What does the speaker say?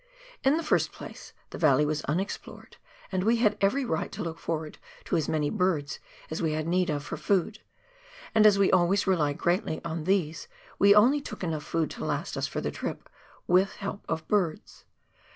In the first place, the valley was unexplored, and we had every right to look forward to as many birds as we had need of for food ; and, as we always rely greatly on these, we only took enough food to last us for the trip, with help of hlrch.